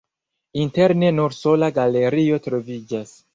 Interne nur sola galerio troviĝas.